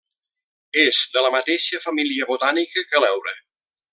És de la mateixa família botànica que l'heura.